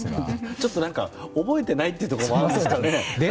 ちょっと覚えてないというところもありますが。